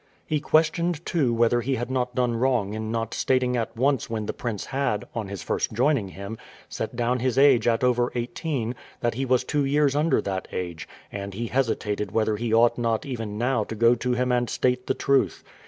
He questioned, too, whether he had not done wrong in not stating at once when the prince had, on his first joining him, set down his age at over eighteen, that he was two years under that age, and he hesitated whether he ought not even now to go to him and state the truth.